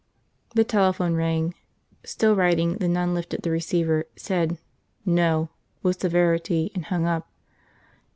The telephone rang. Still writing, the nun lifted the receiver, said "No!" with severity, and hung up.